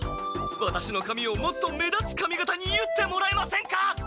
ワタシの髪をもっと目立つ髪形に結ってもらえませんか？